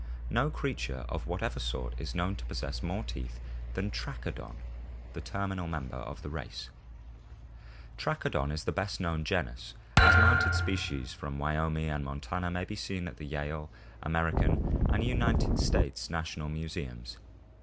No creature of whatever sort is known to possess more teeth than Trachodon, the terminal member of the race. Trachodon (Figs. 162; 163, F; PL XII) is the best known genus, as mounted specimens from Wyoming and Montana may be seen at the Yale, American, and United States National Museums.